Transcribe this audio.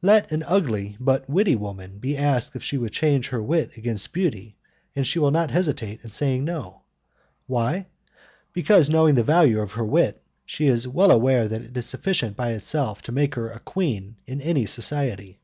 Let an ugly but witty woman be asked if she would change her wit against beauty, and she will not hesitate in saying no. Why? Because, knowing the value of her wit, she is well aware that it is sufficient by itself to make her a queen in any society.